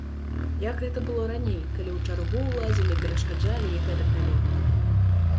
Як гэта было раней, калі ў чаргу ўлазілі, перашкаджалі і гэтак далей.